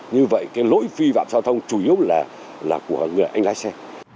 như vậy cái lỗi vi phạm giao thông chủ yếu là của người anh lái xe